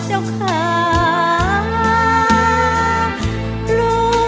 หัวใจเหมือนไฟร้อน